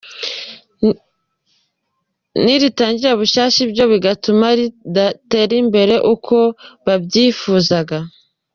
n'iritangiye bushyashya ibyo bigatuma ridatera imbere uko babyifuzaga.